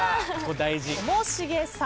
ともしげさん。